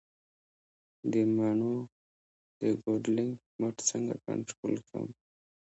د مڼو د کوډلینګ مټ څنګه کنټرول کړم؟